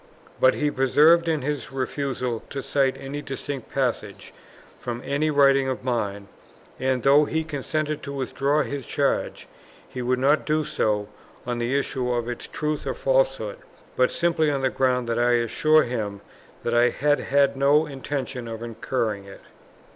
But he persevered in his refusal to cite any distinct passages from any writing of mine; and, though he consented to withdraw his charge, he would not do so on the issue of its truth or falsehood, but simply on the ground that I assured him that I had had no intention of incurring it.